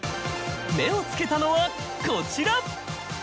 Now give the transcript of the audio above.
目をつけたのはこちら！